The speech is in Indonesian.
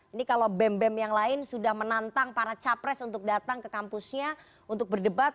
ini kalau bem bem yang lain sudah menantang para capres untuk datang ke kampusnya untuk berdebat